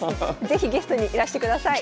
是非ゲストにいらしてください。